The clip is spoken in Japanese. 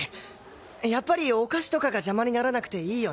やっぱりお菓子とかが邪魔にならなくていいよな。